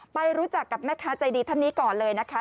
ไปรู้จักกับแม่ค้าใจดีท่านนี้ก่อนเลยนะคะ